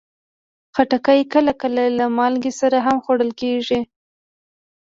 خټکی کله کله له مالګې سره هم خوړل کېږي.